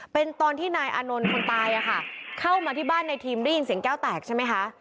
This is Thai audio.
เป็นตอนที่นายอานนท์คนตายเข้ามาที่บ้านในทีมได้ยินเสียงแก้วแตกใช่ไหมคะ